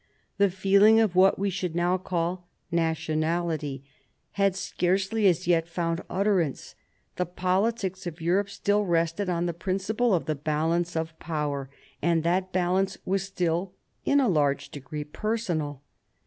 The feeling of what we should now call nationality had scarcely as yet found utterance. The politics of Europe still rested on the principle of the balance of power, and that balance was still in a large degree personal.